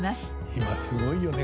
「今すごいよね